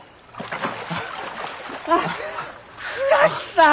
あ倉木さん！